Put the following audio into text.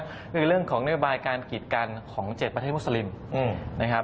คือเรื่องของนโยบายการกิจกันของ๗ประเทศมุสลิมนะครับ